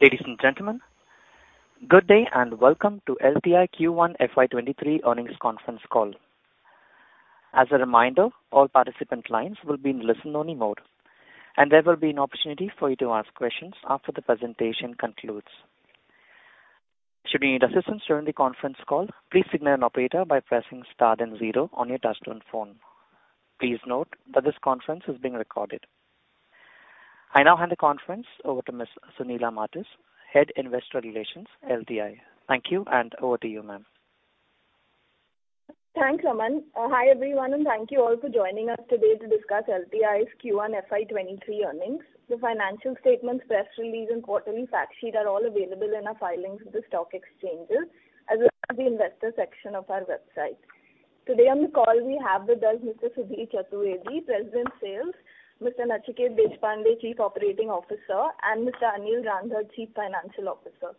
Ladies and gentlemen, good day, and welcome to LTI Q1 FY 2023 earnings conference call. As a reminder, all participant lines will be in listen-only mode, and there will be an opportunity for you to ask questions after the presentation concludes. Should you need assistance during the conference call, please signal an operator by pressing star then zero on your touchtone phone. Please note that this conference is being recorded. I now hand the conference over to Ms. Sunila Martis, Head Investor Relations, LTI. Thank you, and over to you, ma'am. Thanks, Raman. Hi, everyone, and thank you all for joining us today to discuss LTI's Q1 FY 2023 earnings. The financial statement, press release, and quarterly fact sheet are all available in our filings with the stock exchanges, as well as the investor section of our website. Today on the call we have with us Mr. Sudhir Chaturvedi, President, Sales, Mr. Nachiket Deshpande, Chief Operating Officer, and Mr. Anil Rander, Chief Financial Officer.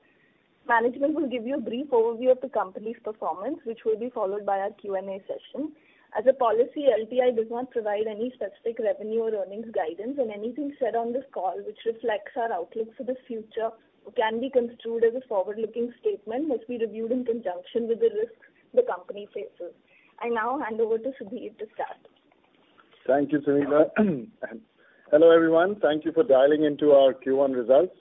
Management will give you a brief overview of the company's performance, which will be followed by our Q&A session. As a policy, LTI does not provide any specific revenue or earnings guidance, and anything said on this call which reflects our outlook for the future can be construed as a forward-looking statement, which we reviewed in conjunction with the risks the company faces. I now hand over to Sudhir to start. Thank you, Sunila. Hello, everyone. Thank you for dialing into our Q1 results.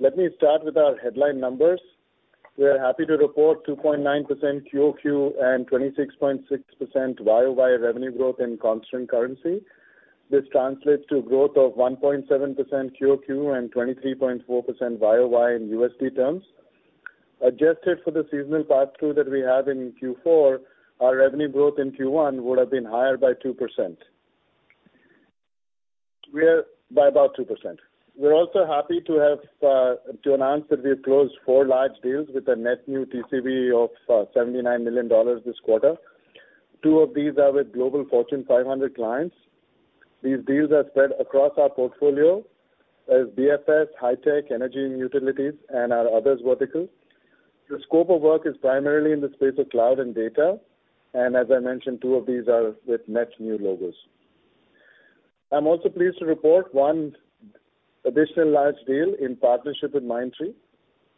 Let me start with our headline numbers. We are happy to report 2.9% QoQ and 26.6% YoY revenue growth in constant currency. This translates to growth of 1.7% QoQ and 23.4% YoY in USD terms. Adjusted for the seasonal pass-through that we have in Q4, our revenue growth in Q1 would have been higher by about 2%. We're also happy to announce that we have closed four large deals with a net new TCV of $79 million this quarter. Two of these are with global Fortune 500 clients. These deals are spread across our portfolio as BFS, high-tech, energy and utilities, and our other verticals. The scope of work is primarily in the space of cloud and data, and as I mentioned, two of these are with net new logos. I'm also pleased to report one additional large deal in partnership with Mindtree.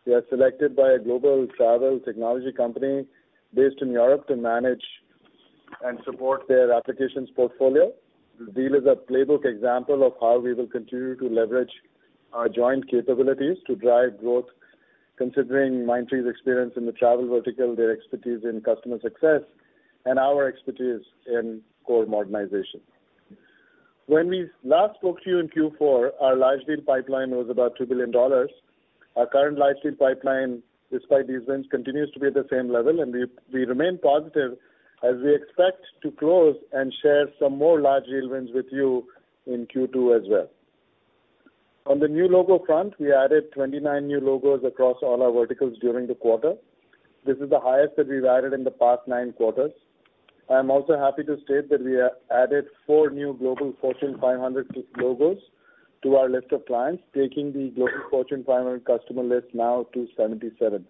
We are selected by a global travel technology company based in Europe to manage and support their applications portfolio. The deal is a playbook example of how we will continue to leverage our joint capabilities to drive growth, considering Mindtree's experience in the travel vertical, their expertise in customer success, and our expertise in core modernization. When we last spoke to you in Q4, our large deal pipeline was about $2 billion. Our current large deal pipeline, despite these wins, continues to be at the same level, and we remain positive as we expect to close and share some more large deal wins with you in Q2 as well. On the new logo front, we added 29 new logos across all our verticals during the quarter. This is the highest that we've added in the past nine quarters. I am also happy to state that we added four new global Fortune 500 logos to our list of clients, taking the global Fortune 500 customer list now to 77.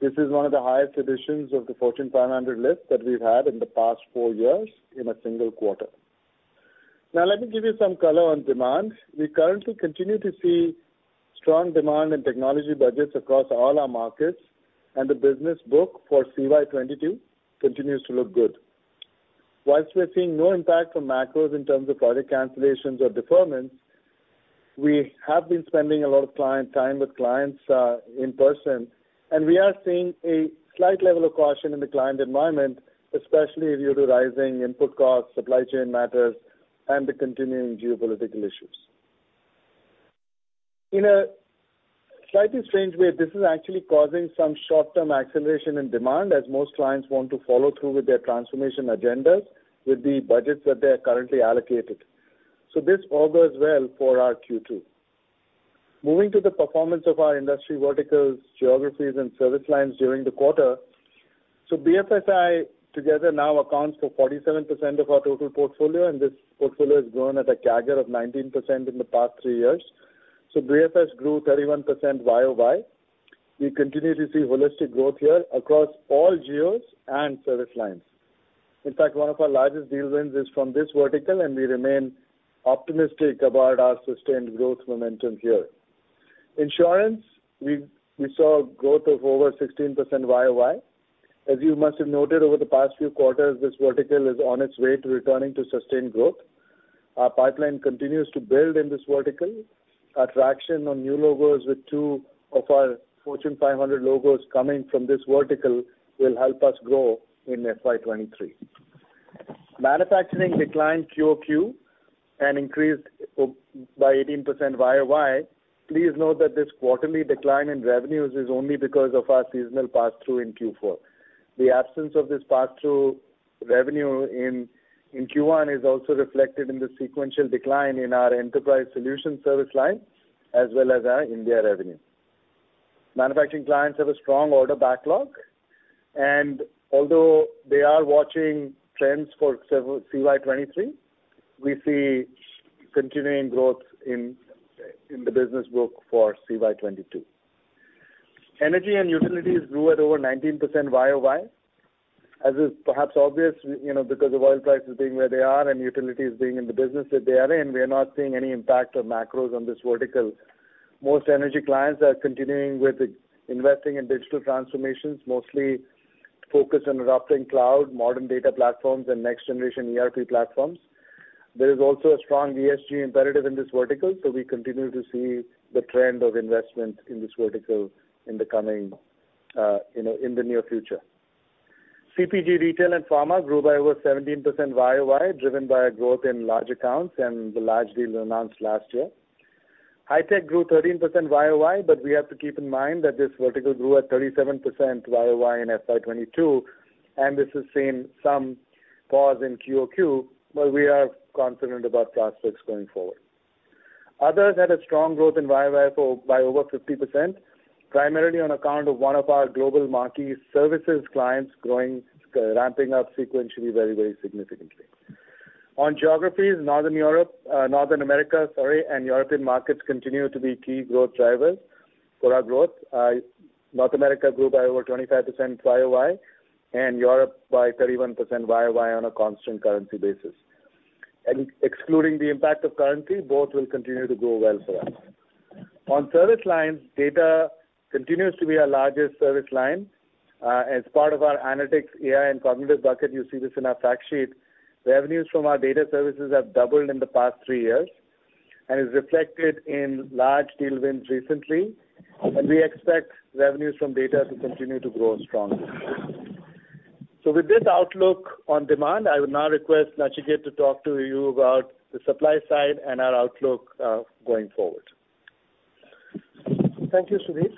This is one of the highest additions of the Fortune 500 list that we've had in the past four years in a single quarter. Now let me give you some color on demand. We currently continue to see strong demand in technology budgets across all our markets, and the business outlook for CY 2022 continues to look good. While we're seeing no impact from macros in terms of project cancellations or deferments, we have been spending a lot of time with clients in person, and we are seeing a slight level of caution in the client environment, especially due to rising input costs, supply chain matters, and the continuing geopolitical issues. In a slightly strange way, this is actually causing some short-term acceleration in demand as most clients want to follow through with their transformation agendas with the budgets that they have currently allocated. This all bodes well for our Q2. Moving to the performance of our industry verticals, geographies, and service lines during the quarter. BFSI together now accounts for 47% of our total portfolio, and this portfolio has grown at a CAGR of 19% in the past three years. BFS grew 31% YoY. We continue to see holistic growth here across all geos and service lines. In fact, one of our largest deal wins is from this vertical, and we remain optimistic about our sustained growth momentum here. Insurance, we saw growth of over 16% YoY. As you must have noted over the past few quarters, this vertical is on its way to returning to sustained growth. Our pipeline continues to build in this vertical. Our traction on new logos with two of our Fortune 500 logos coming from this vertical will help us grow in FY 2023. Manufacturing declined QoQ and increased by 18% YoY. Please note that this quarterly decline in revenues is only because of our seasonal pass-through in Q4. The absence of this pass-through revenue in Q1 is also reflected in the sequential decline in our enterprise solution service line, as well as our India revenue. Manufacturing clients have a strong order backlog, and although they are watching trends for CY 2023, we see continuing growth in the business book for CY 2022. Energy and utilities grew at over 19% YoY, as is perhaps obvious, you know, because of oil prices being where they are and utilities being in the business that they are in, we are not seeing any impact of macros on this vertical. Most energy clients are continuing with investing in digital transformations, mostly focused on adopting cloud, modern data platforms, and next-generation ERP platforms. There is also a strong ESG imperative in this vertical, so we continue to see the trend of investment in this vertical in the near future. CPG, retail and pharma grew by over 17% YoY, driven by a growth in large accounts and the large deals announced last year. High-tech grew 13% YoY, but we have to keep in mind that this vertical grew at 37% YoY in FY 2022, and this is seeing some pause in QoQ, but we are confident about prospects going forward. Others had a strong growth in YoY by over 50%, primarily on account of one of our global marquee services clients growing, ramping up sequentially very, very significantly. On geographies, Northern America and European markets continue to be key growth drivers for our growth. North America grew by over 25% YoY and Europe by 31% YoY on a constant currency basis. Excluding the impact of currency, both will continue to grow well for us. On service lines, data continues to be our largest service line. As part of our analytics, AI, and cognitive bucket, you see this in our fact sheet. Revenues from our data services have doubled in the past three years and is reflected in large deal wins recently, and we expect revenues from data to continue to grow strongly. With this outlook on demand, I would now request Nachiket to talk to you about the supply side and our outlook going forward. Thank you, Sudhir.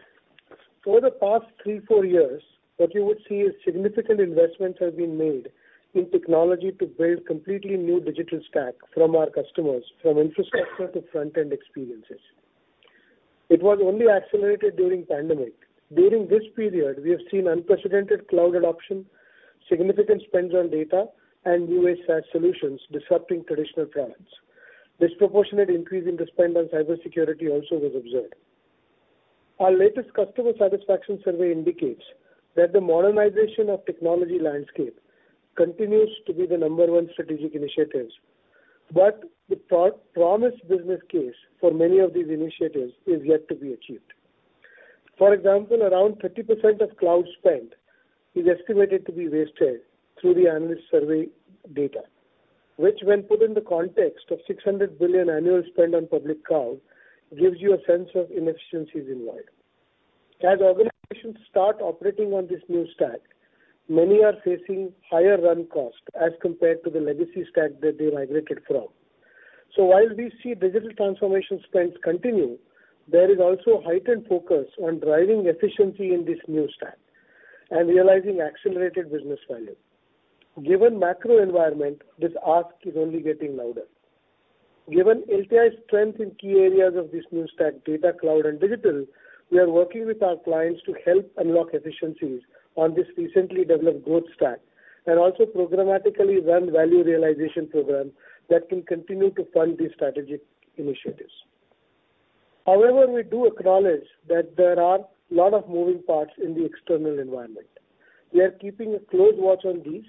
Over the past three to four years, what you would see is significant investments have been made in technology to build completely new digital stack for our customers from infrastructure to front-end experiences. It was only accelerated during pandemic. During this period, we have seen unprecedented cloud adoption, significant spends on data, and new age SaaS solutions disrupting traditional trends. Disproportionate increase in the spend on cybersecurity also was observed. Our latest customer satisfaction survey indicates that the modernization of technology landscape continues to be the number one strategic initiatives. The promised business case for many of these initiatives is yet to be achieved. For example, around 30% of cloud spend is estimated to be wasted through the analyst survey data, which when put in the context of $600 billion annual spend on public cloud, gives you a sense of inefficiencies involved. As organizations start operating on this new stack, many are facing higher run cost as compared to the legacy stack that they migrated from. While we see digital transformation spends continue, there is also heightened focus on driving efficiency in this new stack and realizing accelerated business value. Given macro environment, this ask is only getting louder. Given LTI's strength in key areas of this new stack, data, cloud, and digital, we are working with our clients to help unlock efficiencies on this recently developed growth stack, and also programmatically run value realization program that can continue to fund these strategic initiatives. However, we do acknowledge that there are a lot of moving parts in the external environment. We are keeping a close watch on these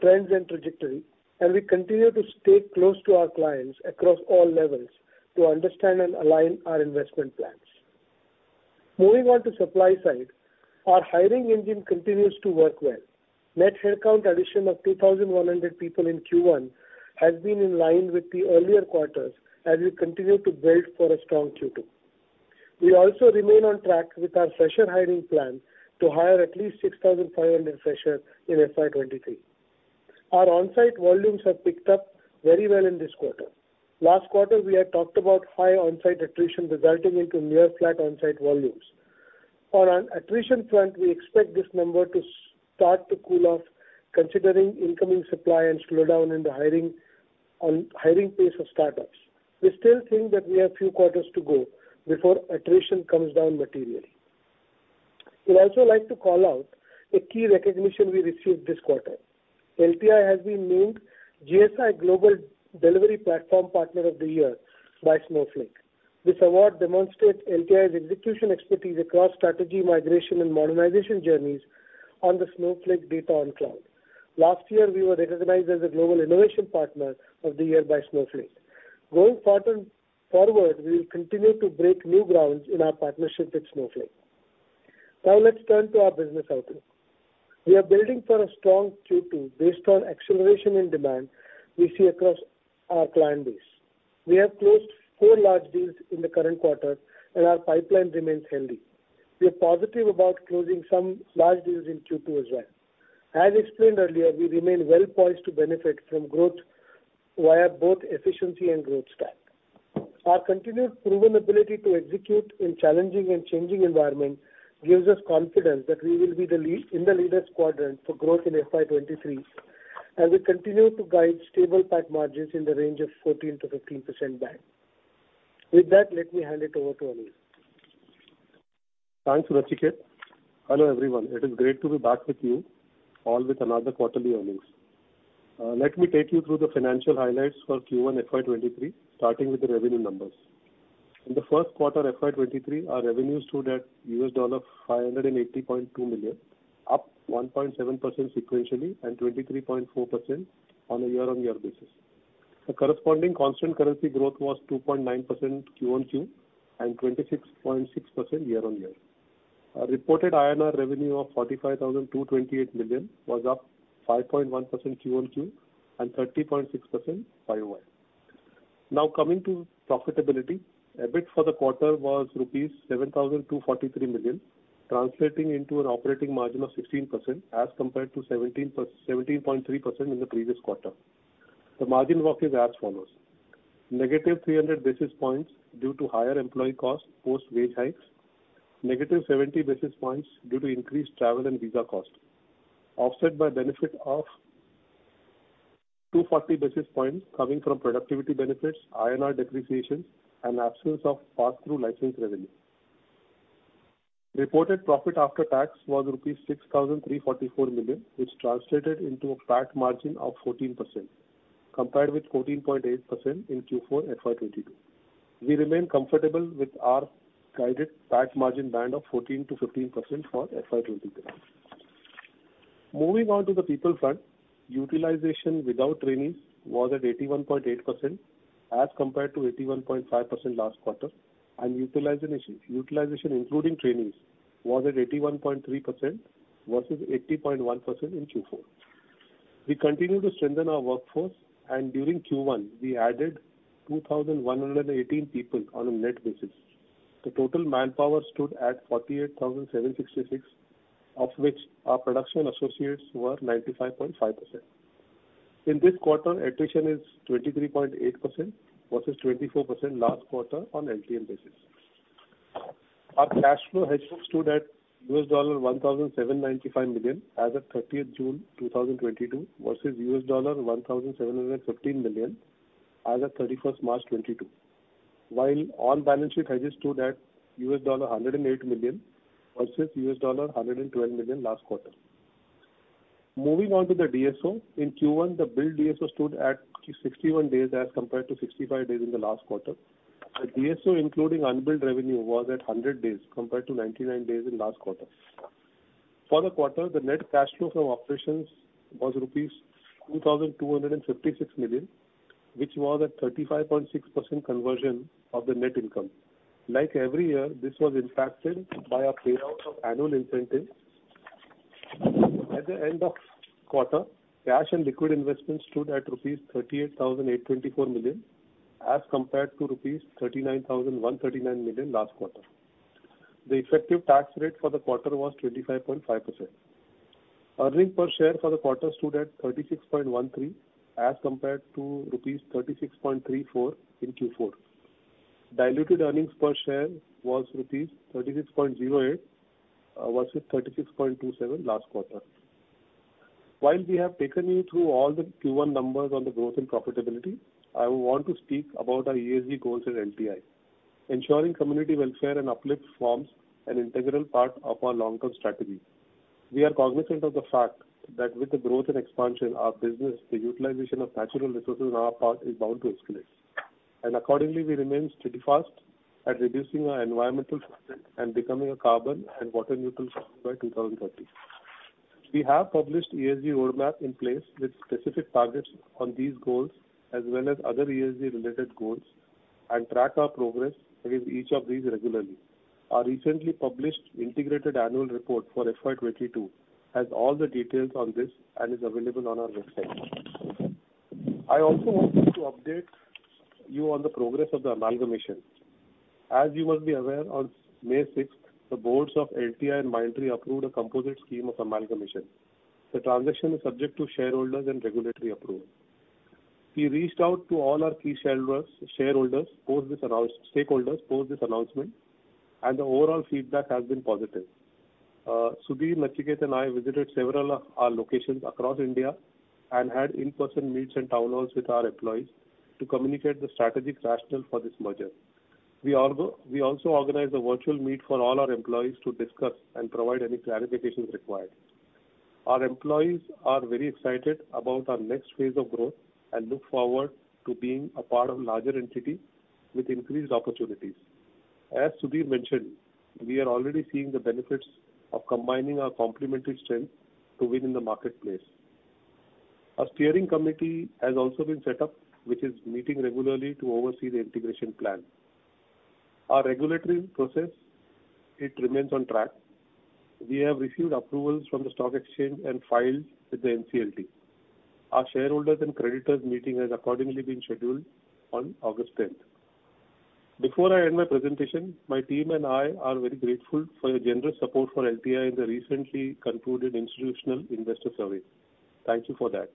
trends and trajectory, and we continue to stay close to our clients across all levels to understand and align our investment plans. Moving on to supply side, our hiring engine continues to work well. Net headcount addition of 2,100 people in Q1 has been in line with the earlier quarters as we continue to build for a strong Q2. We also remain on track with our fresher hiring plan to hire at least 6,500 freshers in FY 2023. Our onsite volumes have picked up very well in this quarter. Last quarter, we had talked about high onsite attrition resulting into near flat onsite volumes. On an attrition front, we expect this number to start to cool off considering incoming supply and slowdown in the hiring pace of startups. We still think that we have few quarters to go before attrition comes down materially. We'd also like to call out a key recognition we received this quarter. LTI has been named GSI Global Delivery Platform Partner of the Year by Snowflake. This award demonstrates LTI's execution expertise across strategy, migration, and modernization journeys on the Snowflake Data Cloud. Last year, we were recognized as a Global Innovation Partner of the Year by Snowflake. Going forward, we will continue to break new grounds in our partnership with Snowflake. Now let's turn to our business outlook. We are building for a strong Q2 based on acceleration in demand we see across our client base. We have closed four large deals in the current quarter, and our pipeline remains healthy. We are positive about closing some large deals in Q2 as well. As explained earlier, we remain well poised to benefit from growth via both efficiency and growth stack. Our continued proven ability to execute in challenging and changing environment gives us confidence that we will be in the leader's quadrant for growth in FY 2023, as we continue to guide stable PAT margins in the range of 14%-15% back. With that, let me hand it over to Anil. Thanks, Nachiket. Hello, everyone. It is great to be back with you all with another quarterly earnings. Let me take you through the financial highlights for Q1 FY 2023, starting with the revenue numbers. In the first quarter FY 2023, our revenues stood at $500.2 million, up 1.7% sequentially and 23.4% on a year-over-year basis. The corresponding constant currency growth was 2.9% QoQ and 26.6% year-over-year. Our reported INR revenue of 45,228 million was up 5.1% QoQ and 30.6% YoY. Now coming to profitability. EBIT for the quarter was rupees 7,243 million, translating into an operating margin of 16% as compared to 17.3% in the previous quarter. The margin walk is as follows. Negative 300 basis points due to higher employee costs post wage hikes. Negative 70 basis points due to increased travel and visa costs. Offset by benefit of 240 basis points coming from productivity benefits, INR depreciations, and absence of pass-through license revenue. Reported profit after tax was 6,344 million rupees, which translated into a PAT margin of 14%, compared with 14.8% in Q4 FY 2022. We remain comfortable with our guided PAT margin band of 14%-15% for FY 2023. Moving on to the people front. Utilization without trainees was at 81.8% as compared to 81.5% last quarter. Utilization including trainees was at 81.3% versus 80.1% in Q4. We continue to strengthen our workforce, and during Q1 we added 2,118 people on a net basis. The total manpower stood at 48,766, of which our production associates were 95.5%. In this quarter, attrition is 23.8% versus 24% last quarter on LTM basis. Our cash flow has stood at $1,795 million as of 30th June 2022, versus $1,715 million as of 31st March 2022. While on balance sheet has stood at $108 million versus $112 million last quarter. Moving on to the DSO. In Q1, the bill DSO stood at 61 days as compared to 65 days in the last quarter. The DSO including unbilled revenue was at 100 days compared to 99 days in last quarter. For the quarter, the net cash flow from operations was rupees 2,256 million, which was a 35.6% conversion of the net income. Like every year, this was impacted by a payout of annual incentive. At the end of quarter, cash and liquid investments stood at rupees 38,824 million, as compared to rupees 39,139 million last quarter. The effective tax rate for the quarter was 25.5%. Earnings per share for the quarter stood at 36.13 rupees as compared to rupees 36.34 in Q4. Diluted earnings per share was rupees 36.08 versus 36.27 last quarter. While we have taken you through all the Q1 numbers on the growth and profitability, I want to speak about our ESG goals at LTI. Ensuring community welfare and uplift forms an integral part of our long-term strategy. We are cognizant of the fact that with the growth and expansion of business, the utilization of natural resources on our part is bound to escalate. Accordingly, we remain steadfast at reducing our environmental footprint and becoming a carbon and water neutral company by 2030. We have published ESG roadmap in place with specific targets on these goals as well as other ESG related goals and track our progress against each of these regularly. Our recently published integrated annual report for FY 2022 has all the details on this and is available on our website. I also want to update you on the progress of the amalgamation. As you must be aware, on May 6, the boards of LTI and Mindtree approved a composite scheme of amalgamation. The transaction is subject to shareholders' and regulatory approval. We reached out to all our key stakeholders post this announcement, and the overall feedback has been positive. Sudhir, Nachiket, and I visited several of our locations across India and had in-person meets and town halls with our employees to communicate the strategic rationale for this merger. We also organized a virtual meet for all our employees to discuss and provide any clarifications required. Our employees are very excited about our next phase of growth and look forward to being a part of larger entity with increased opportunities. As Sudhir mentioned, we are already seeing the benefits of combining our complementary strengths to win in the marketplace. A steering committee has also been set up which is meeting regularly to oversee the integration plan. Our regulatory process, it remains on track. We have received approvals from the stock exchange and filed with the NCLT. Our shareholders' and creditors' meeting has accordingly been scheduled on August 10th. Before I end my presentation, my team and I are very grateful for your generous support for LTI in the recently concluded Institutional Investor Survey. Thank you for that.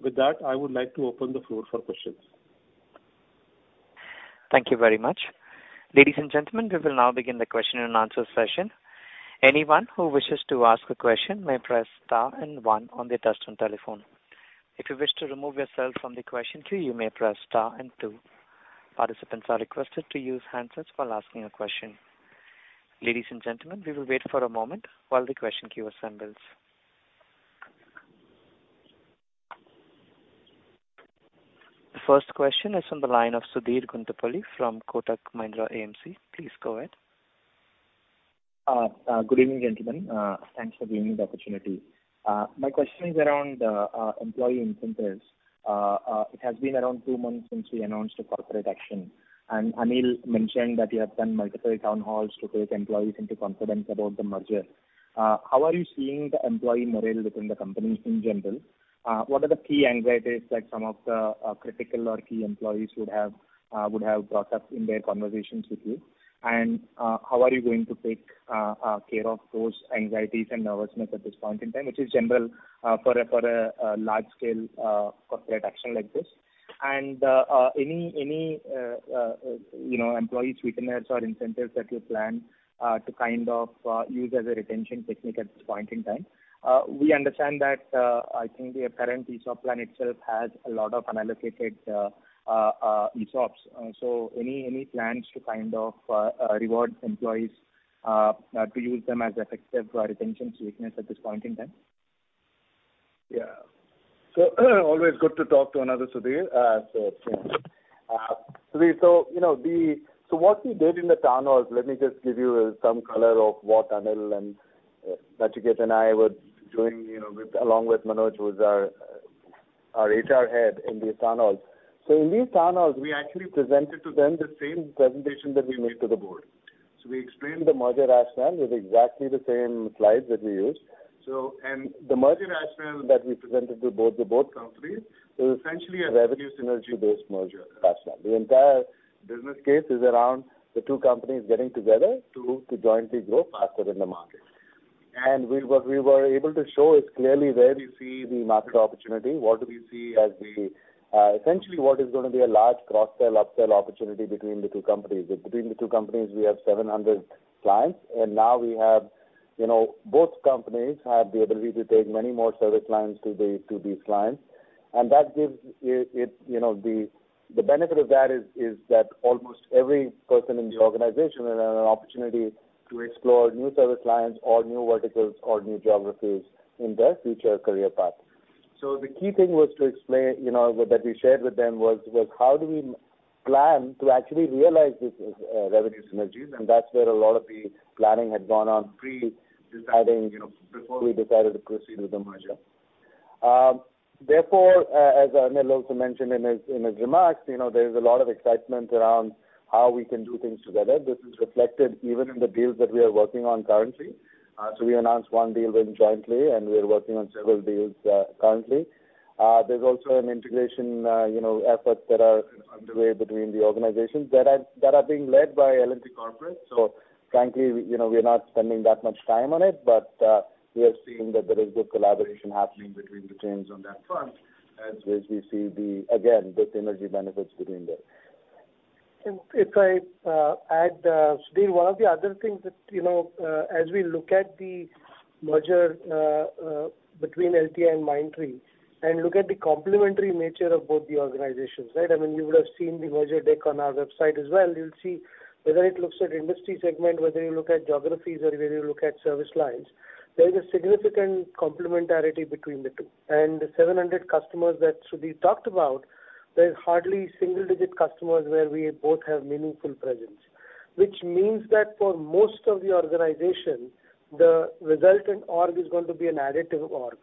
With that, I would like to open the floor for questions. Thank you very much. Ladies and gentlemen, we will now begin the question and answer session. Anyone who wishes to ask a question may press star and one on their touchtone telephone. If you wish to remove yourself from the question queue, you may press star and two. Participants are requested to use handsets while asking a question. Ladies and gentlemen, we will wait for a moment while the question queue assembles. The first question is on the line of Sudheer Guntupalli from Kotak Mahindra AMC. Please go ahead. Good evening, gentlemen. Thanks for giving me the opportunity. My question is around employee incentives. It has been around two months since we announced a corporate action, and Anil mentioned that you have done multiple town halls to take employees into confidence about the merger. How are you seeing the employee morale within the companies in general? What are the key anxieties that some of the critical or key employees would have brought up in their conversations with you? How are you going to take care of those anxieties and nervousness at this point in time, which is general for a large scale corporate action like this? You know, employee sweeteners or incentives that you plan to kind of use as a retention technique at this point in time? We understand that, I think the apparent ESOP plan itself has a lot of unallocated ESOPs. Any plans to kind of reward employees to use them as effective retention sweetness at this point in time? Yeah. Always good to talk to another Sudheer. Sudheer, you know, what we did in the town halls, let me just give you some color of what Anil and Nachiket and I were doing, you know, along with Manoj, who's our HR head in these town halls. In these town halls, we actually presented to them the same presentation that we made to the board. We explained the merger rationale. It was exactly the same slides that we used. The merger rationale that we presented to both companies is essentially a revenue synergy-based merger rationale. The entire business case is around the two companies getting together to jointly grow faster in the market. We were able to show this clearly where we see the market opportunity, what we see as the essentially what is gonna be a large cross-sell, up-sell opportunity between the two companies. Between the two companies, we have 700 clients, and now we have, you know, both companies have the ability to take many more service lines to these clients. That gives it, you know, the benefit of that is that almost every person in the organization will have an opportunity to explore new service lines or new verticals or new geographies in their future career path. The key thing was to explain, you know, that we shared with them was how do we plan to actually realize this revenue synergies, and that's where a lot of the planning had gone on pre-deciding, you know, before we decided to proceed with the merger. Therefore, as Anil also mentioned in his remarks, you know, there's a lot of excitement around how we can do things together. This is reflected even in the deals that we are working on currently. We announced one deal very jointly, and we're working on several deals currently. There's also an integration, you know, efforts that are kind of underway between the organizations that are being led by L&T Corporate. Frankly, you know, we're not spending that much time on it, but we are seeing that there is good collaboration happening between the teams on that front as we see there, again, good synergy benefits between them. If I add Sudhir, one of the other things that, you know, as we look at the merger between LTI and Mindtree and look at the complementary nature of both the organizations, right? I mean, you would have seen the merger deck on our website as well. You'll see whether it looks at industry segment, whether you look at geographies or whether you look at service lines. There is a significant complementarity between the two. The 700 customers that Sudhir talked about, there's hardly single-digit customers where we both have meaningful presence. Which means that for most of the organization, the resultant org is going to be an additive org.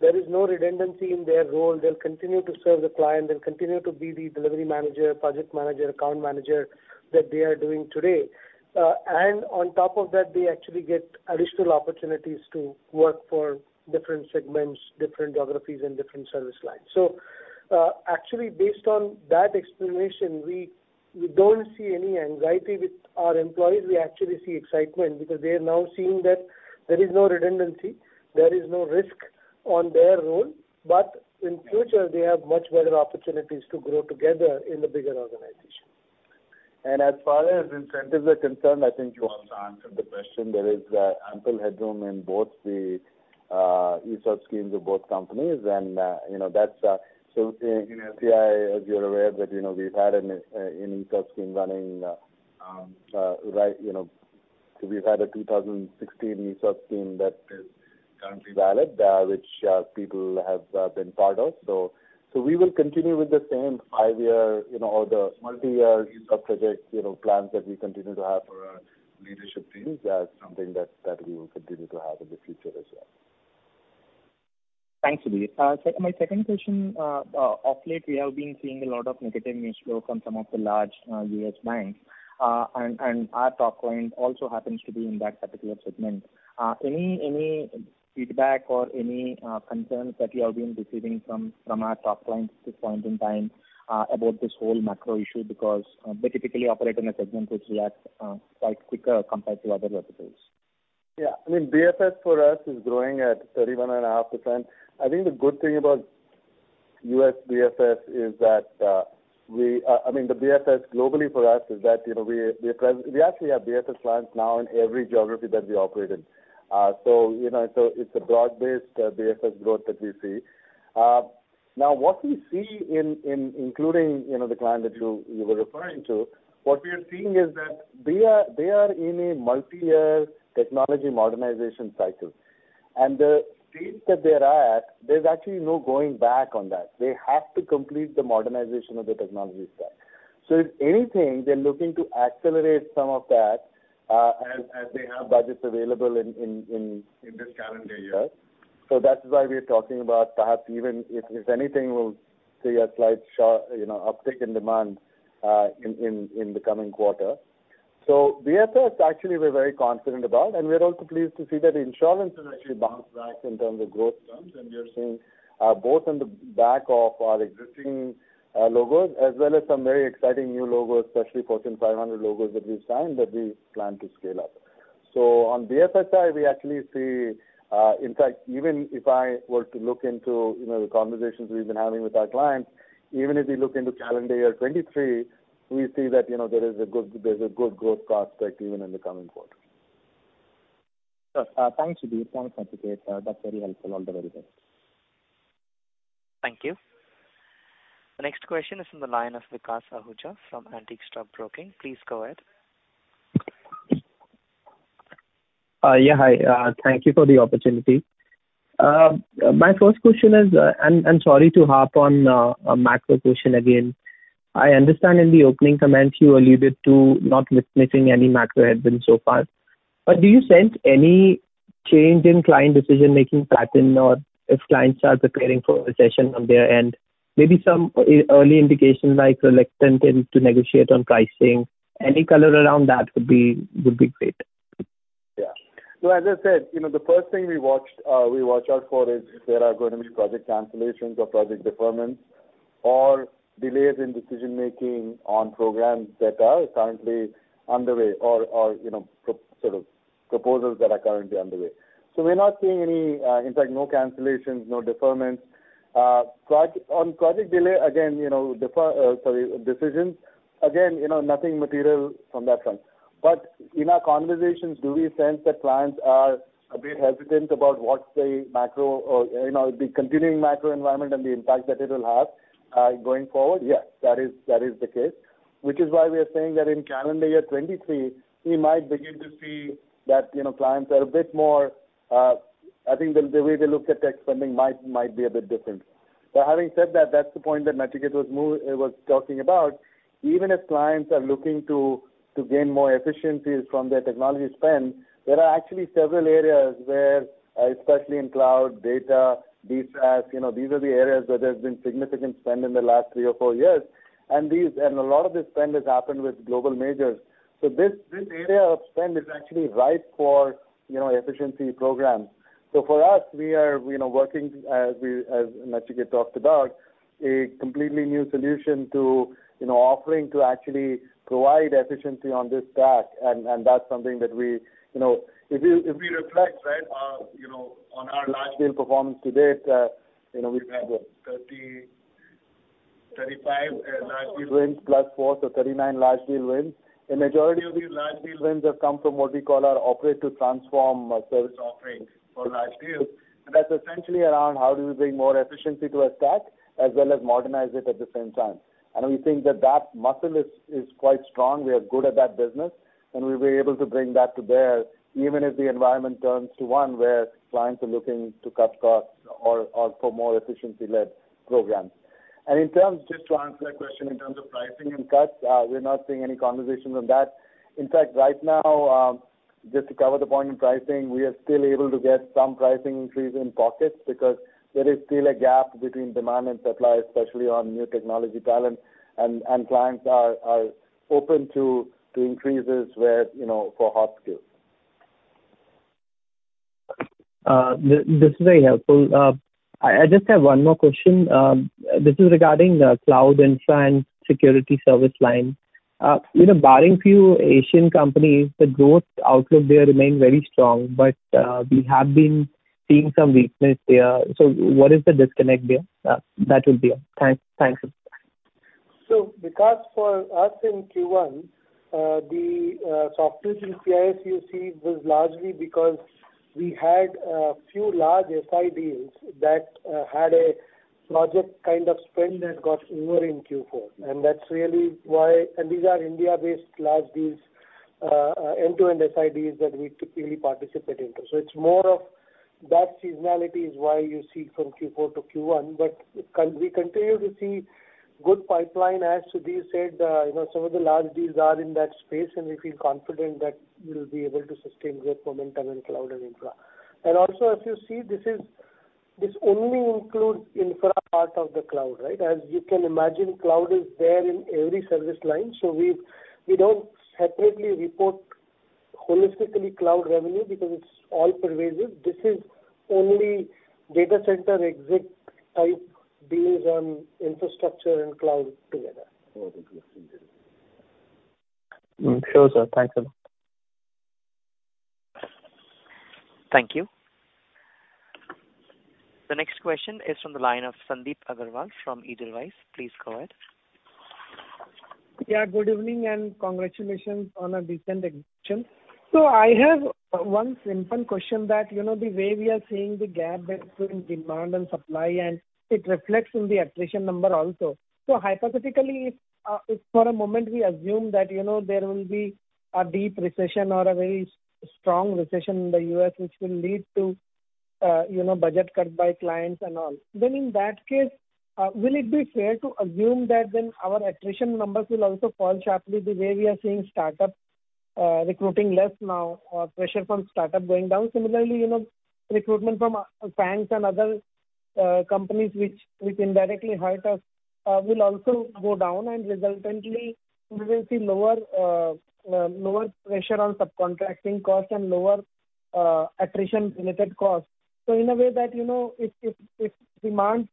There is no redundancy in their role. They'll continue to serve the client. They'll continue to be the delivery manager, project manager, account manager that they are doing today. On top of that, they actually get additional opportunities to work for different segments, different geographies and different service lines. Actually based on that explanation, we don't see any anxiety with our employees. We actually see excitement because they are now seeing that there is no redundancy, there is no risk on their role, but in future, they have much better opportunities to grow together in the bigger organization. As far as incentives are concerned, I think you also answered the question. There is ample headroom in both the ESOP schemes of both companies and, you know, that's so in LTI, as you're aware that, you know, we've had an ESOP scheme running, right, you know, so we've had a 2016 ESOP scheme that is currently valid, which people have been part of. So we will continue with the same five-year, you know, or the multi-year ESOP projects, you know, plans that we continue to have for our leadership teams. That's something that we will continue to have in the future as well. Thanks, Sudhir. My second question, of late we have been seeing a lot of negative news flow from some of the large U.S. banks. Our top client also happens to be in that particular segment. Any feedback or any concerns that you have been receiving from our top clients at this point in time about this whole macro issue because they typically operate in a segment which reacts quite quicker compared to other verticals. Yeah. I mean, BFS for us is growing at 31.5%. I think the good thing about U.S. BFS is that, I mean, the BFS globally for us is that, you know, we actually have BFS clients now in every geography that we operate in. So, you know, it's a broad-based BFS growth that we see. Now, what we see, including, you know, the client that you were referring to, what we are seeing is that they are in a multi-year technology modernization cycle. The stage that they're at, there's actually no going back on that. They have to complete the modernization of the technology stack. If anything, they're looking to accelerate some of that, as they have budgets available in this calendar year. That is why we are talking about perhaps even if anything, we'll see a slight uptick in demand, you know, in the coming quarter. BFSI actually we're very confident about, and we're also pleased to see that insurance has actually bounced back in terms of growth terms. We are seeing both on the back of our existing logos as well as some very exciting new logos, especially Fortune 500 logos that we've signed that we plan to scale up. On BFSI, we actually see in fact, even if I were to look into, you know, the conversations we've been having with our clients, even if we look into calendar year 2023, we see that, you know, there is a good growth prospect even in the coming quarter. Sure. Thanks, Sudhir. Thanks, Nachiket. That's very helpful. All the very best. Thank you. The next question is from the line of Vikas Ahuja from Antique Stock Broking. Please go ahead. Yeah. Hi. Thank you for the opportunity. My first question is, and I'm sorry to harp on, a macro question again. I understand in the opening comments you alluded to not witnessing any macro headwinds so far. Do you sense any change in client decision-making pattern or if clients are preparing for a recession on their end? Maybe some early indication like reluctant to negotiate on pricing. Any color around that would be great. Yeah. As I said, you know, the first thing we watch out for is there are gonna be project cancellations or project deferments or delays in decision-making on programs that are currently underway or, you know, proposals that are currently underway. We're not seeing any. In fact, no cancellations, no deferments. On project decisions, again, you know, nothing material from that front. But in our conversations, do we sense that clients are a bit hesitant about the macro or, you know, the continuing macro environment and the impact that it'll have going forward? Yes, that is the case, which is why we are saying that in calendar year 2023, we might begin to see that, you know, clients are a bit more. I think the way they look at tech spending might be a bit different. Having said that's the point that Nachiket Deshpande was talking about. Even if clients are looking to gain more efficiencies from their technology spend, there are actually several areas where especially in cloud, data, DaaS, you know, these are the areas where there's been significant spend in the last three or four years. These and a lot of this spend has happened with global majors. This area of spend is actually ripe for, you know, efficiency programs. For us, we are, you know, working as we, as Nachiket Deshpande talked about, a completely new solution to, you know, offering to actually provide efficiency on this stack. That's something that we, you know. If we reflect, right, you know, on our large deal performance to date, you know, we've had, what, 30, 35 large deal wins +4, so 39 large deal wins. The majority of these large deal wins have come from what we call our operate to transform service offerings for large deals. That's essentially around how do we bring more efficiency to a stack as well as modernize it at the same time. We think that that muscle is quite strong. We are good at that business, and we'll be able to bring that to bear even as the environment turns to one where clients are looking to cut costs or for more efficiency-led programs. In terms, just to answer that question in terms of pricing and cuts, we're not seeing any conversations on that. In fact, right now, just to cover the point in pricing, we are still able to get some pricing increase in pockets because there is still a gap between demand and supply, especially on new technology talent. Clients are open to increases where, you know, for hot skills. This is very helpful. I just have one more question. This is regarding the cloud infra and security service line. You know, barring few Asian companies, the growth outlook there remain very strong. We have been seeing some weakness there. So what is the disconnect there? That would be all. Thanks. Because for us in Q1, the software CIS you see was largely because we had a few large SI deals that had a project kind of spend that got over in Q4. That's really why. These are India-based large deals, end-to-end SI deals that we really participated in. It's more of that seasonality is why you see from Q4 to Q1. We continue to see good pipeline. As Sudheer said, you know, some of the large deals are in that space, and we feel confident that we'll be able to sustain great momentum in cloud and infra. Also, if you see, this only includes infra part of the cloud, right? As you can imagine, cloud is there in every service line. We don't separately report holistically cloud revenue because it's all pervasive. This is only data center exit type deals on infrastructure and cloud together. Sure, sir. Thanks a lot. Thank you. The next question is from the line of Sandip Agarwal from Edelweiss. Please go ahead. Yeah, good evening and congratulations on a decent integration. I have one simple question that, you know, the way we are seeing the gap between demand and supply, and it reflects in the attrition number also. Hypothetically, if for a moment we assume that, you know, there will be a deep recession or a very strong recession in the U.S. which will lead to, you know, budget cut by clients and all, then in that case, will it be fair to assume that then our attrition numbers will also fall sharply the way we are seeing startups recruiting less now or pressure from startups going down? Similarly, you know, recruitment from banks and other companies which indirectly hired us will also go down and resultantly we will see lower pressure on subcontracting costs and lower attrition related costs. In a way that, you know, if demand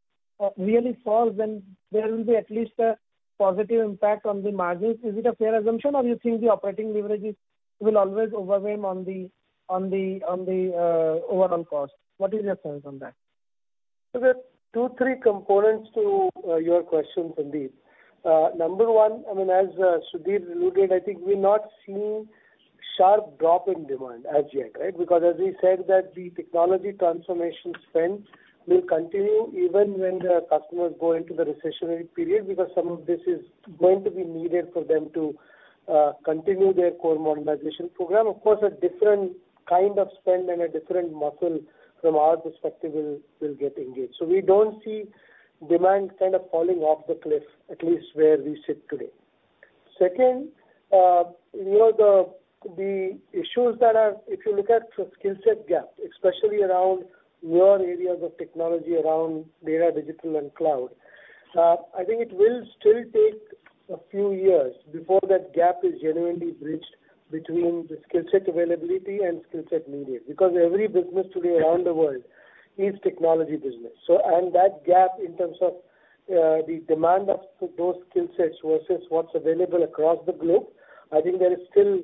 really falls, then there will be at least a positive impact on the margins. Is it a fair assumption or you think the operating leverage will always overwhelm on the overall cost? What is your sense on that? There are two, three components to your question, Sandip. Number one, I mean, as Sudhir alluded, I think we're not seeing sharp drop in demand as yet, right? Because as we said that the technology transformation spend will continue even when the customers go into the recessionary period, because some of this is going to be needed for them to continue their core modernization program. Of course, a different kind of spend and a different muscle from our perspective will get engaged. We don't see demand kind of falling off the cliff, at least where we sit today. Second, you know, the issues that are. If you look at the skill set gap, especially around newer areas of technology around data, digital and cloud, I think it will still take a few years before that gap is genuinely bridged between the skill set availability and skill set needed. Because every business today around the world is technology business. That gap in terms of, the demand of those skill sets versus what's available across the globe, I think there is still,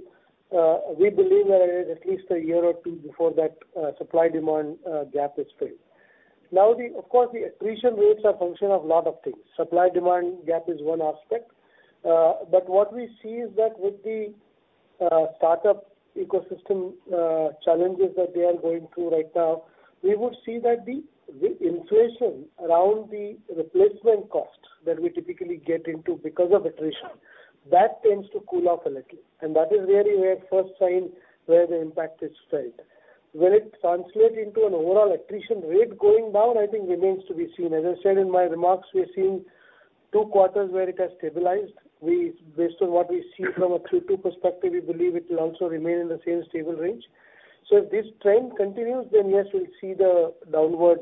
we believe there is at least a year or two before that, supply demand gap is filled. Now, of course, the attrition rates are a function of a lot of things. Supply demand gap is one aspect. What we see is that with the startup ecosystem challenges that they are going through right now, we would see that the inflation around the replacement cost that we typically get into because of attrition, that tends to cool off a little. That is really the first sign where the impact is felt. Will it translate into an overall attrition rate going down? I think remains to be seen. As I said in my remarks, we are seeing two quarters where it has stabilized. Based on what we see from a Q2 perspective, we believe it will also remain in the same stable range. If this trend continues, then yes, we'll see the downward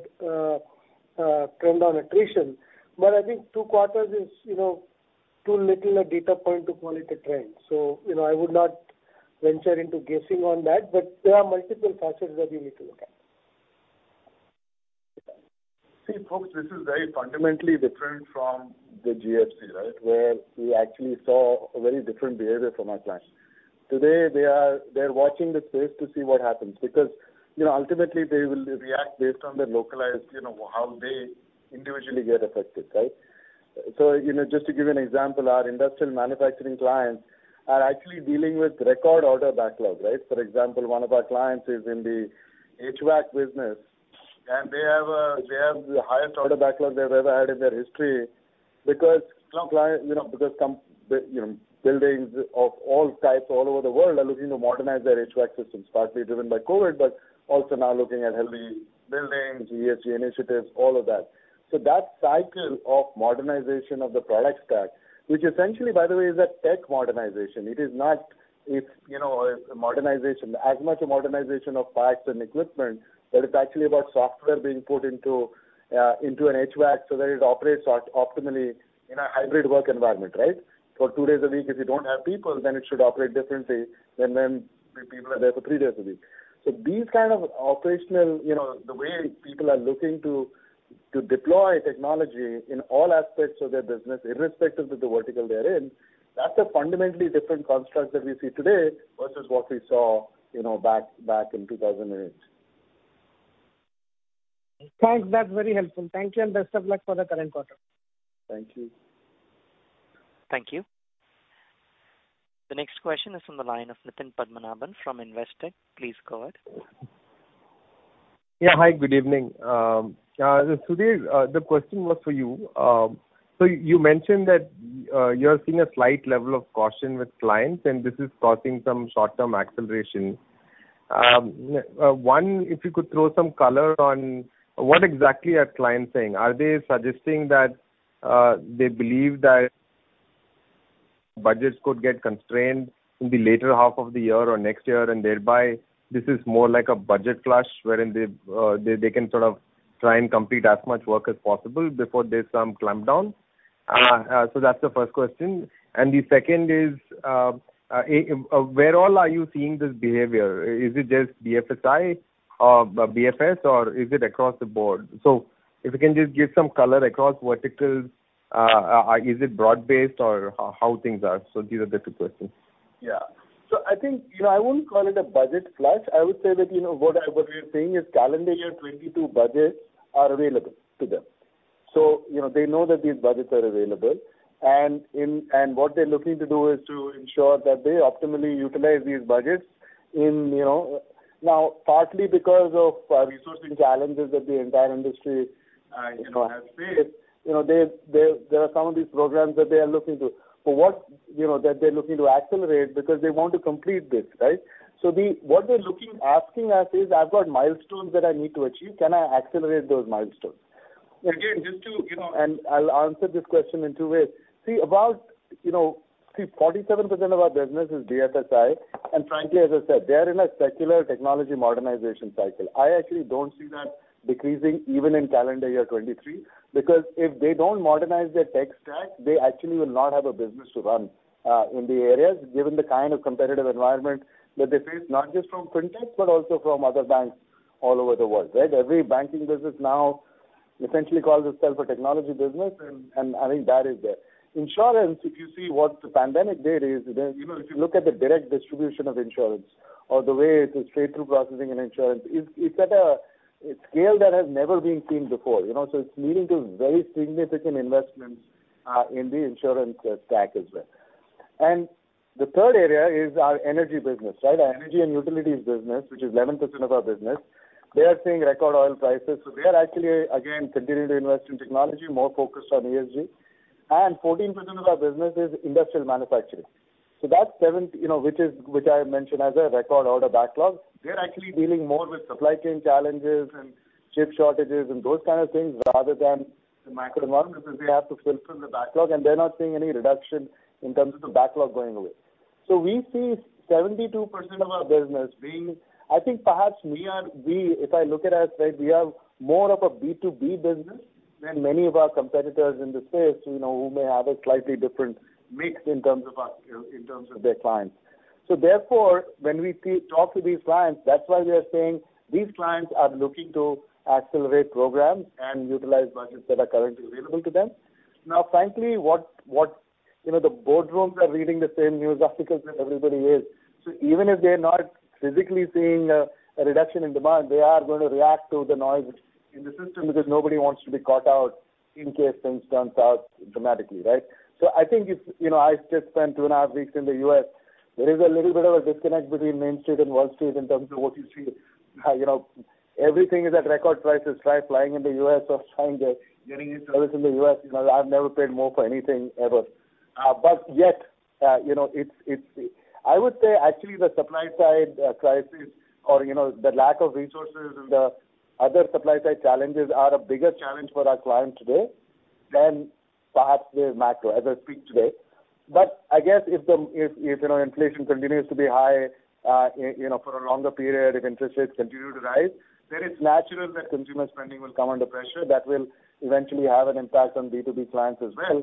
trend on attrition. I think two quarters is, you know, too little a data point to call it a trend. You know, I would not venture into guessing on that, but there are multiple factors that we need to look at. See, folks, this is very fundamentally different from the GFC, right? Where we actually saw a very different behavior from our clients. Today, they're watching the space to see what happens because, you know, ultimately they will react based on the localized, you know, how they individually get affected, right? So, you know, just to give you an example, our industrial manufacturing clients are actually dealing with record order backlogs, right? For example, one of our clients is in the HVAC business, and they have the highest order backlog they've ever had in their history because, you know, buildings of all types all over the world are looking to modernize their HVAC systems, partly driven by COVID, but also now looking at healthy buildings, ESG initiatives, all of that. That cycle of modernization of the product stack, which essentially by the way is a tech modernization. It is not, you know, a modernization. As much a modernization of parts and equipment, but it's actually about software being put into an HVAC so that it operates optimally in a hybrid work environment, right? For two days a week, if you don't have people, then it should operate differently than when the people are there for three days a week. These kind of operational, the way people are looking to deploy technology in all aspects of their business, irrespective of the vertical they're in, that's a fundamentally different construct that we see today versus what we saw, you know, back in 2008. Thanks. That's very helpful. Thank you and best of luck for the current quarter. Thank you. Thank you. The next question is from the line of Nitin Padmanabhan from Investec. Please go ahead. Yeah. Hi, good evening. Sudhir, the question was for you. So you mentioned that you are seeing a slight level of caution with clients, and this is causing some short-term acceleration. One, if you could throw some color on what exactly are clients saying? Are they suggesting that they believe that budgets could get constrained in the latter half of the year or next year, and thereby this is more like a budget flush wherein they can sort of try and complete as much work as possible before there's some clampdown? So that's the first question. The second is, where all are you seeing this behavior? Is it just BFSI or BFS or is it across the board? So if you can just give some color across verticals. Is it broad-based or how things are? These are the two questions. Yeah. I think, you know, I wouldn't call it a budget flush. I would say that, you know, what we're saying is calendar year 2022 budgets are available to them. You know, they know that these budgets are available. What they're looking to do is to ensure that they optimally utilize these budgets, you know. Now, partly because of resourcing challenges that the entire industry has faced, you know, there are some of these programs that they are looking to. But what they're looking to accelerate because they want to complete this, right? What they're asking us is, "I've got milestones that I need to achieve. Can I accelerate those milestones?" Again, just to, you know, I'll answer this question in two ways. You know, 47% of our business is BFSI. Frankly, as I said, they are in a secular technology modernization cycle. I actually don't see that decreasing even in calendar year 2023. Because if they don't modernize their tech stack, they actually will not have a business to run in the areas, given the kind of competitive environment that they face, not just from fintech, but also from other banks all over the world, right? Every banking business now essentially calls itself a technology business, and I think that is there. Insurance, if you see what the pandemic did is, if you look at the direct distribution of insurance or the way it is straight through processing in insurance is at a scale that has never been seen before. You know, it's leading to very significant investments in the insurance stack as well. The third area is our energy business, right? Our energy and utilities business, which is 11% of our business. They are seeing record oil prices, so they are actually again continuing to invest in technology, more focused on ESG. 14% of our business is industrial manufacturing. That's seven, you know, which I mentioned has a record order backlog. They're actually dealing more with supply chain challenges and chip shortages and those kind of things, rather than the macro environment, because they have to fulfill the backlog and they're not seeing any reduction in terms of the backlog going away. We see 72% of our business being... I think perhaps we are, if I look at us, right, we are more of a B2B business than many of our competitors in the space, you know, who may have a slightly different mix in terms of our, you know, in terms of their clients. Therefore, when we see, talk to these clients, that's why we are saying these clients are looking to accelerate programs and utilize budgets that are currently available to them. You know, the boardrooms are reading the same news articles that everybody reads. Even if they're not physically seeing a reduction in demand, they are going to react to the noise in the system because nobody wants to be caught out in case things turn south dramatically, right? I think it's, you know, I just spent two and a half weeks in the U.S. There is a little bit of a disconnect between Main Street and Wall Street in terms of what you see. You know, everything is at record prices, right? Flying in the U.S. or trying to get into service in the U.S., you know, I've never paid more for anything ever. But yet, you know, I would say actually the supply side crisis or, you know, the lack of resources and the other supply side challenges are a bigger challenge for our clients today than perhaps the macro as I speak today. I guess if inflation continues to be high, you know, for a longer period, if interest rates continue to rise, then it's natural that consumer spending will come under pressure. That will eventually have an impact on B2B clients as well.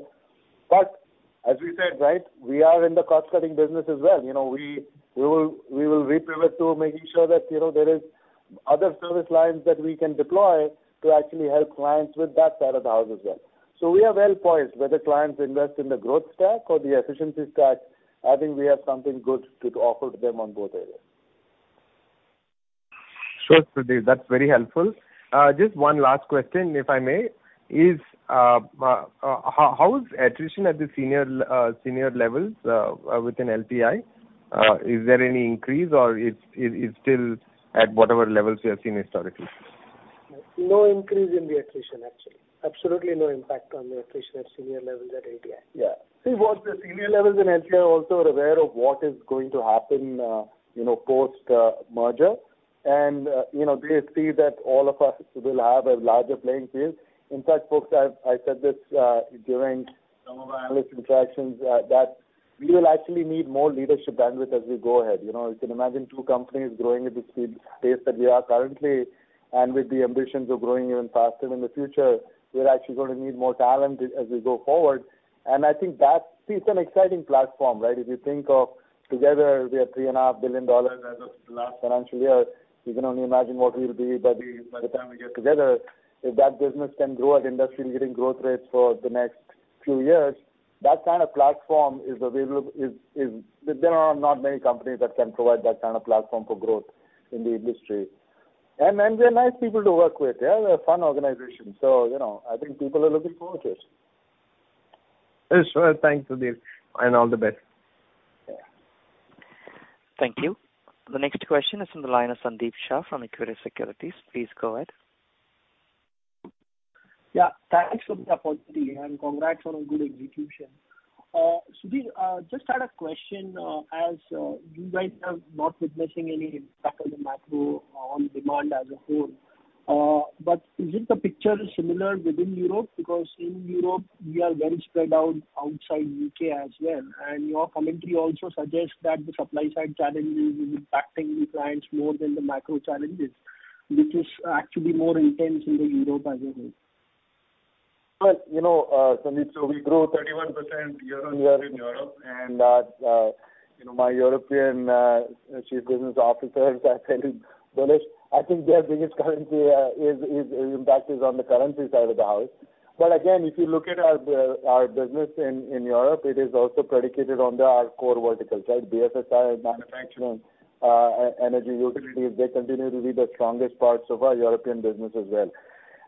As we said, right, we are in the cost cutting business as well. You know, we will reprioritize to making sure that, you know, there is other service lines that we can deploy to actually help clients with that side of the house as well. We are well poised, whether clients invest in the growth stack or the efficiency stack, I think we have something good to offer to them on both areas. Sure, Sudhir. That's very helpful. Just one last question, if I may. How is attrition at the senior levels within LTI? Is there any increase or it is still at whatever levels we have seen historically? No increase in the attrition, actually. Absolutely no impact on the attrition at senior levels at LTI. Yeah. See, what the senior levels in LTI are also aware of what is going to happen, you know, post merger. You know, they see that all of us will have a larger playing field. In fact, folks, I've said this during some of our analyst interactions that we will actually need more leadership bandwidth as we go ahead. You know, you can imagine two companies growing at the speed, pace that we are currently, and with the ambitions of growing even faster in the future, we're actually gonna need more talent as we go forward. I think that sees an exciting platform, right? If you think of together we are $3.5 billion as of the last financial year, you can only imagine what we'll be by the time we get together. If that business can grow at industry-leading growth rates for the next few years, that kind of platform is available. There are not many companies that can provide that kind of platform for growth in the industry. We're nice people to work with, yeah. We're a fun organization. You know, I think people are looking forward to it. Yes, sure. Thanks, Sudhir, and all the best. Yeah. Thank you. The next question is from the line of Sandeep Shah from Equirus Securities. Please go ahead. Yeah. Thanks for the opportunity and congrats on a good execution. Sudhir, just had a question, as you guys are not witnessing any impact on the macro on demand as a whole. Is it the picture similar within Europe? Because in Europe you are very spread out outside U.K. as well. Your commentary also suggests that the supply side challenges is impacting the clients more than the macro challenges, which is actually more intense in the Europe as a whole. Well, you know, Sandeep, we grew 31% year-on-year in Europe and, you know, my European chief business officers I think, Sunish, their biggest concern is the currency impact on the currency side of the house. Again, if you look at our business in Europe, it is also predicated on our core verticals, right? BFSI, manufacturing, energy utilities, they continue to be the strongest parts of our European business as well.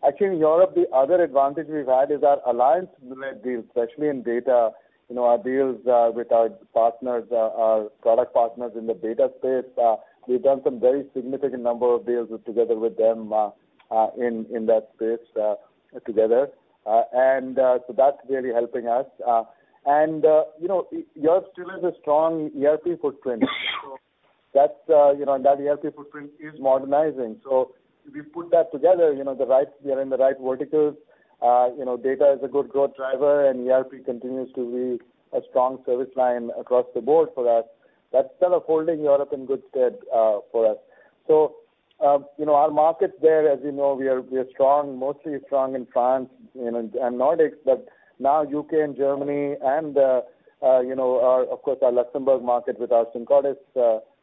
Actually, in Europe, the other advantage we've had is our alliance-led deals, especially in data. You know, our deals with our partners, our product partners in the data space, we've done some very significant number of deals together with them in that space together. That's really helping us. Europe still has a strong ERP footprint. That's you know and that ERP footprint is modernizing. If you put that together, you know, we are in the right verticals. You know, data is a good growth driver, and ERP continues to be a strong service line across the board for us. That's kind of holding Europe in good stead for us. You know, our markets there, as you know, we are strong, mostly strong in France, you know, and Nordics. Now U.K. and Germany and you know, of course, our Luxembourg market with our Syncordis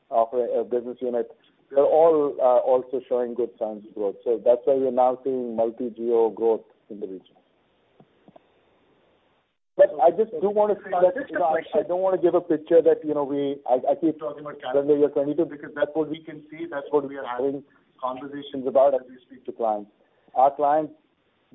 offering business unit, they're all also showing good signs of growth. That's why we're now seeing multi-geo growth in the region. I just do wanna say that Just a question. I don't wanna give a picture that, you know, I keep talking about calendar year 2022 because that's what we can see, that's what we are having conversations about as we speak to clients. Are clients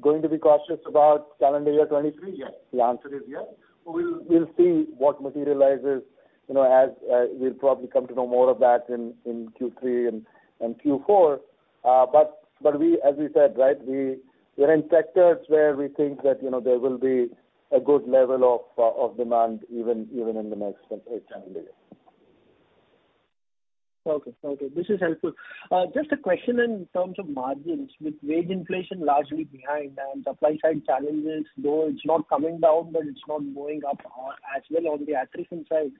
going to be cautious about calendar year 2023? Yes. The answer is yes. We'll see what materializes, you know, as we'll probably come to know more of that in Q3 and Q4. We, as we said, right, we're in sectors where we think that, you know, there will be a good level of demand even in the next calendar year. Okay. This is helpful. Just a question in terms of margins. With wage inflation largely behind and supply side challenges, though it's not coming down, but it's not going up, as well on the attrition side,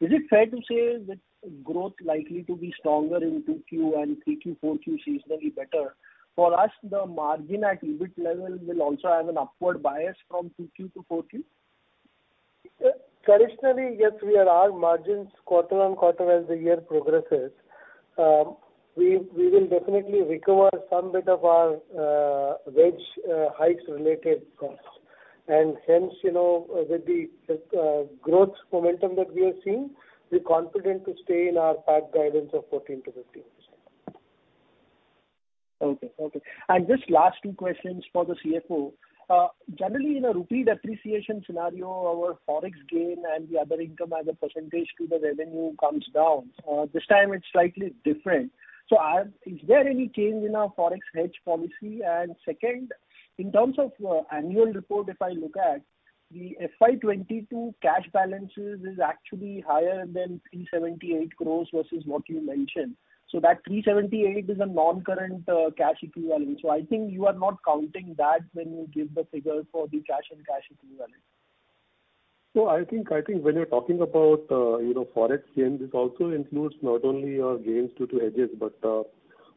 is it fair to say with growth likely to be stronger in 2Q and 3Q, 4Q seasonally better, for us, the margin at EBIT level will also have an upward bias from 2Q to 4Q? Traditionally, yes, we are. Our margins quarter-on-quarter as the year progresses, we will definitely recover some bit of our wage hikes related costs. Hence, you know, with the growth momentum that we are seeing, we're confident to stay in our past guidance of 14%-15%. Okay. Just last two questions for the CFO. Generally in a rupee depreciation scenario, our Forex gain and the other income as a percentage to the revenue comes down. This time it's slightly different. Is there any change in our Forex hedge policy? Second, in terms of annual report, if I look at the FY 2022 cash balances is actually higher than 378 crore versus what you mentioned. That 378 is a non-current cash equivalent. I think you are not counting that when you give the figure for the cash and cash equivalent. I think when you're talking about, you know, Forex gains, it also includes not only your gains due to hedges but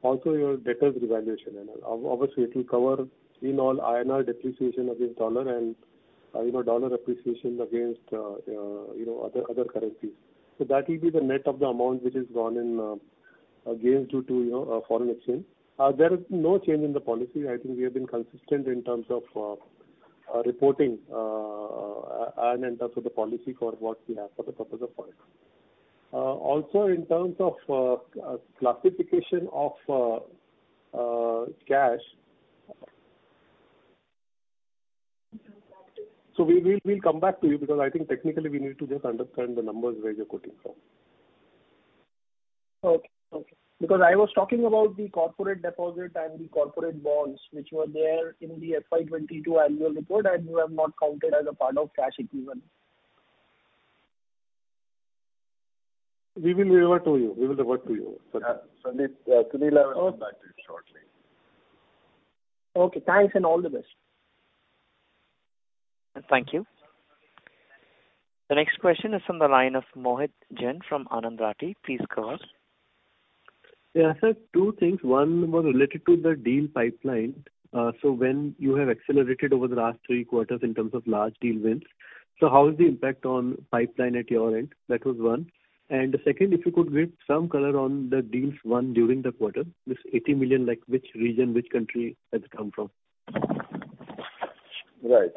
also your debtors revaluation. Obviously it will cover all INR depreciation against the dollar and, you know, dollar appreciation against, you know, other currencies. That will be the net of the amount which is gone in gains due to, you know, foreign exchange. There is no change in the policy. I think we have been consistent in terms of reporting and in terms of the policy for what we have for the purpose of Forex. Also, in terms of classification of cash. We'll come back to you because I think technically we need to just understand the numbers where you're quoting from. Okay. Because I was talking about the corporate deposit and the corporate bonds which were there in the FY 2022 annual report and you have not counted as a part of cash equivalent. We will revert to you. Yeah. Sudhir, Sunila and I will come back to you shortly. Okay. Thanks and all the best. Thank you. The next question is from the line of Mohit Jain from Anand Rathi. Please go ahead. Yeah. Sir, two things. One was related to the deal pipeline. When you have accelerated over the last three quarters in terms of large deal wins, so how is the impact on pipeline at your end? That was one. Second, if you could give some color on the deals won during the quarter, this $80 million, like which region, which country has it come from? Right.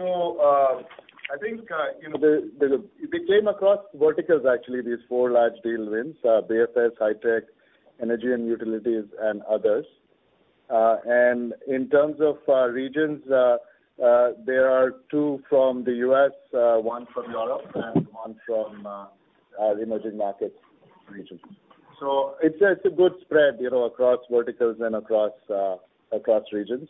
I think, you know, they came across verticals actually, these four large deal wins, BFS, high tech, energy and utilities, and others. In terms of regions, there are two from the U.S., one from Europe, and one from the emerging markets regions. It's a good spread, you know, across verticals and across regions.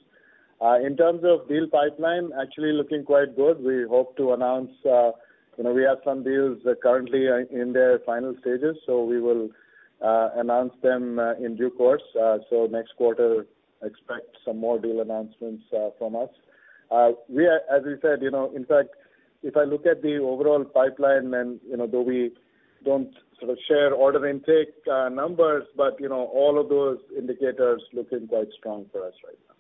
In terms of deal pipeline, actually looking quite good. We hope to announce, you know, we have some deals currently in their final stages, so we will announce them in due course. Next quarter expect some more deal announcements from us. We are, as we said, you know, in fact if I look at the overall pipeline and, you know, though we don't sort of share order intake numbers, but, you know, all of those indicators looking quite strong for us right now.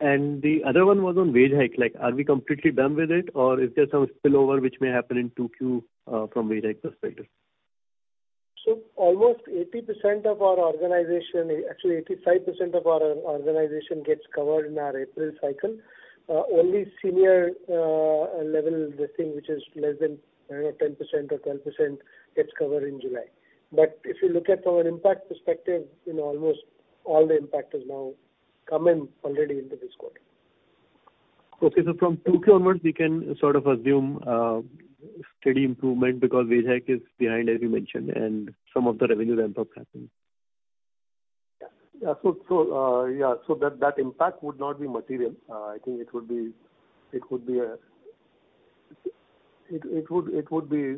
The other one was on wage hike. Like, are we completely done with it, or is there some spillover which may happen in 2Q from wage hike perspective? Almost 80% of our organization, actually 85% of our organization gets covered in our April cycle. Only senior level rating, which is less than, I don't know, 10% or 12% gets covered in July. If you look at our impact perspective, you know, almost all the impact has now come in already into this quarter. Okay. From 2Q onwards, we can sort of assume steady improvement because wage hike is behind, as you mentioned, and some of the revenue ramp-up happening. That impact would not be material. I think it would be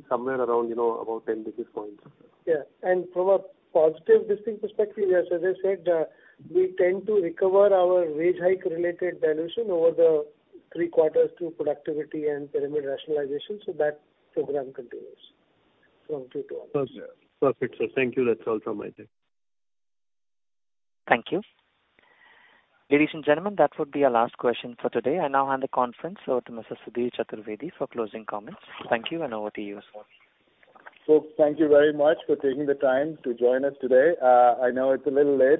somewhere around, you know, about 10 basis points. From a positive distinct perspective, Sanjay said, we tend to recover our wage hike related dilution over the three quarters through productivity and pyramid rationalization, so that program continues from two to onwards. Perfect, sir. Thank you. That's all from my side. Thank you. Ladies and gentlemen, that would be our last question for today. I now hand the conference over to Mr. Sudhir Chaturvedi for closing comments. Thank you, and over to you, sir. Thank you very much for taking the time to join us today. I know it's a little late,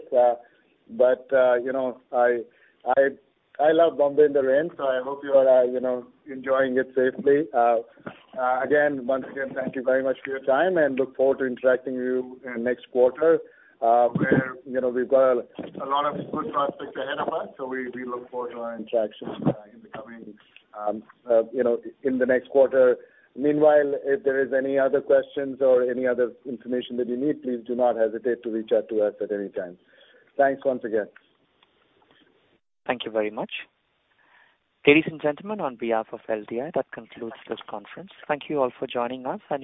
but you know, I love Bombay in the rain, so I hope you are, you know, enjoying it safely. Again, once again, thank you very much for your time, and look forward to interacting with you in next quarter, where you know, we've got a lot of good prospects ahead of us. We look forward to our interaction in the coming, you know, in the next quarter. Meanwhile, if there is any other questions or any other information that you need, please do not hesitate to reach out to us at any time. Thanks once again. Thank you very much. Ladies and gentlemen, on behalf of LTI, that concludes this conference. Thank you all for joining us.